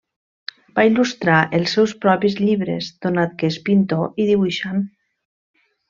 Va il·lustrar els seus propis llibres, donat que és pintor i dibuixant.